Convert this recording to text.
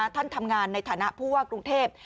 ท่านทำงานในฐานะผู้ว่ากรุงเทพ